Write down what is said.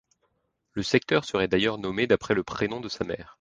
Le secteur serait d'ailleurs nommé d'après le prénom de sa mère.